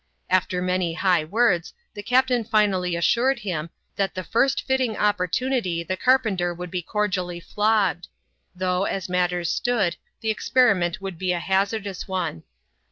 After many high words, the captain finally assured him, that the first fitting opportunity the carpenter should be cordially flogged ; though, as matters stood, the experiment would be a hazardous one.